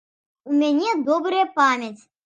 У мяне добрая памяць.